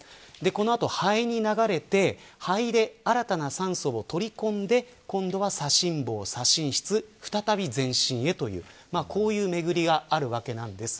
この後、肺に流れて肺で新たな酸素を取り込んで今度は左心房、左心室再び全身へという巡りがあるわけです。